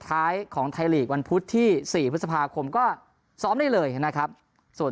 ท้ายของไทยลีกวันพุธที่๔พฤษภาคมก็ซ้อมได้เลยนะครับส่วน